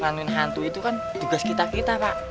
bangun hantu itu kan tugas kita kita pak